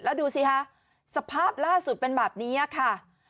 แล้วดูสิคะสภาพล่าสุดเป็นแบบนี้ค่ะ